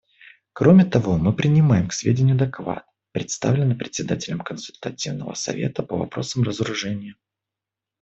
Кроме того, мы принимаем к сведению доклад, представленный Председателем Консультативного совета по вопросам разоружения.